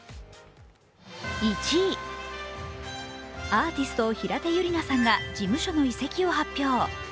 １位、アーティスト・平手友梨奈さんが事務所の移籍を発表。